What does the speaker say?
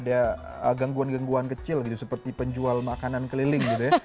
ada gangguan gangguan kecil gitu seperti penjual makanan keliling gitu ya